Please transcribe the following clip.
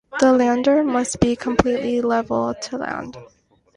The lander must be completely level to land.